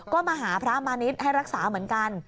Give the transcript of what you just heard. ก็มาหาพระมาณิชย์ให้รักษาเหมือนกัน